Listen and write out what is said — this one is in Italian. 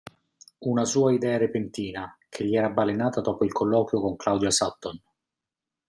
Una sua idea repentina, che gli era balenata dopo il colloquio con Claudia Sutton.